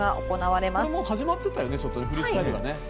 これは始まってたよね。